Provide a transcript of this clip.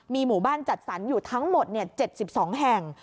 มีหมู่บ้านจัดสรรอยู่ทั้งหมด๗๒แห่ง